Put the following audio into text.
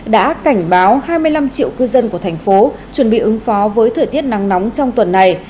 đã cảnh báo hai mươi năm triệu cư dân của thành phố chuẩn bị ứng phó với thời tiết nắng nóng trong tuần này